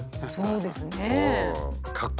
そうですね。